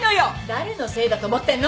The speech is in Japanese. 誰のせいだと思ってんの！？